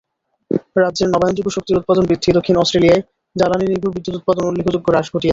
রাজ্যের নবায়ন যোগ্য শক্তির উৎপাদন বৃদ্ধি দক্ষিণ অস্ট্রেলিয়ায় জ্বালানি নির্ভর বিদ্যুত উৎপাদন উল্লেখযোগ্য হ্রাস ঘটিয়েছে।